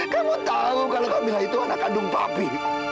kamu tahu kalau mila itu anak kandung papi